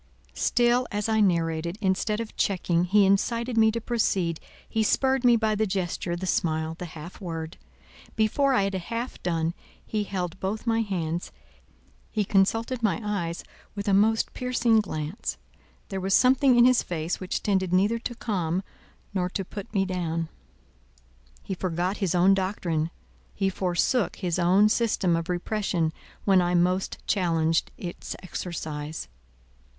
Still as I narrated, instead of checking, he incited me to proceed he spurred me by the gesture, the smile, the half word. Before I had half done, he held both my hands, he consulted my eyes with a most piercing glance: there was something in his face which tended neither to calm nor to put me down; he forgot his own doctrine, he forsook his own system of repression when I most challenged its exercise.